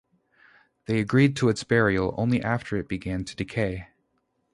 They agreed to its burial only after it began to decay.